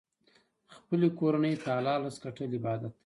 خپلې کورنۍ ته حلال رزق ګټل عبادت دی.